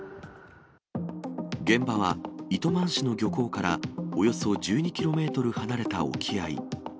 現場は糸満市の漁港からおよそ１２キロメートル離れた沖合。